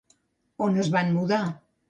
On es van mudar?